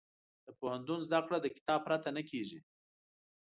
د پوهنتون زده کړه د کتاب پرته نه کېږي.